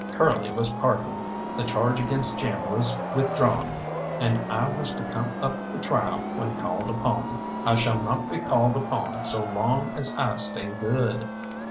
Curly was pardoned, the charge against Jim was withdrawn, and I was to come up for trial when called upon. I shall not be called upon so long as I stay good.